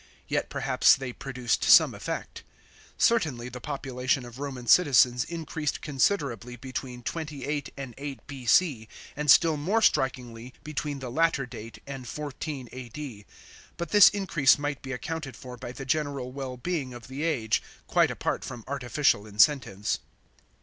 Yet perhaps they produced some effect. Certainly the population of Roman citizens increased considerably between 28 and 8 B.C., and still more strikingly between the latter date and 14 A.D. ;* but this increase might be accounted for by the general wellbeing of the age, quite apart from artificial incentives.